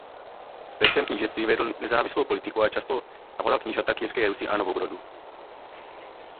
Ve svém knížectví vedl nezávislou politiku a často napadal knížata Kyjevské Rusi a Novgorodu.